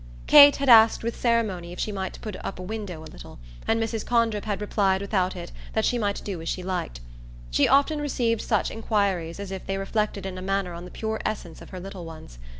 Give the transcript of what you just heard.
Kate had asked with ceremony if she might put up a window a little, and Mrs. Condrip had replied without it that she might do as she liked. She often received such enquiries as if they reflected in a manner on the pure essence of her little ones.